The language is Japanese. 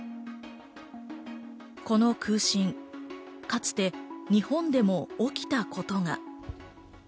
この空振、かつて日本でも起きたことが。